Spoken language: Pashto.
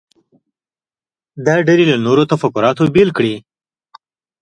دا ډلې له نورو تفکراتو بیل کړي.